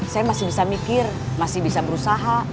saya masih bisa mikir masih bisa berusaha